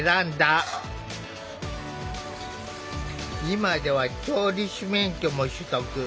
今では調理師免許も取得。